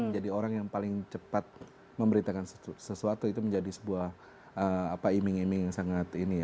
jadi orang yang paling cepat memberitakan sesuatu itu menjadi sebuah iming iming yang sangat ini ya